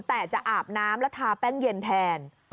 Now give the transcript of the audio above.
แต่จะอาบน้ำแล้วทาแป้งเย็นแทน